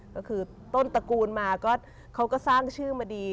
ก็คือต้นตระกูลมาก็เขาก็สร้างชื่อมาดี